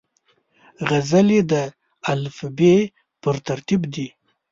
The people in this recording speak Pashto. غزلې د الفبې پر ترتیب دي.